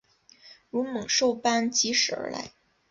如猛兽般疾驶而来